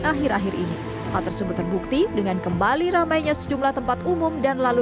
akhir akhir ini hal tersebut terbukti dengan kembali ramainya sejumlah tempat umum dan lalu